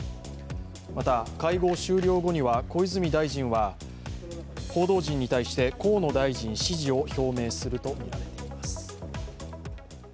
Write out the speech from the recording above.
また、会合終了後には小泉大臣は報道陣に対して、河野大臣支持を表明するとみられています。